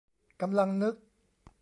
กำลังนึก